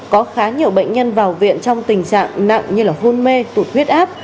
có khá nhiều bệnh nhân vào viện trong tình trạng nặng như hôn mê tụt huyết áp